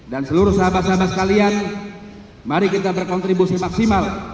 dan seluruh sahabat sahabat kalian mari kita berkontribusi maksimal